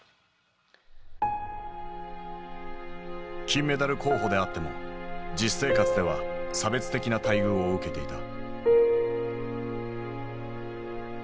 金メダル候補であっても実生活では差別的な待遇を受けていた。